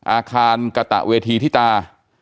อาคารกะตะเวทีทิตา